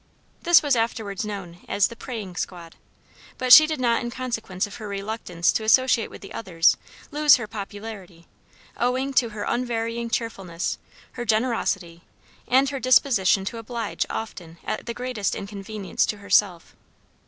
This was afterwards known as "the praying squad;" but she did not in consequence of her reluctance to associate with the others lose her popularity, owing to her unvarying cheerfulness, her generosity and her disposition to oblige often at the greatest inconvenience to herself.